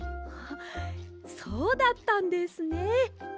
そうだったんですね。